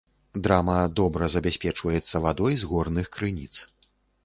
Драма добра забяспечваецца вадой з горных крыніц.